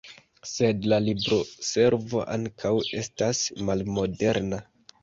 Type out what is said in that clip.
Sed la libroservo ankaŭ estas malmoderna.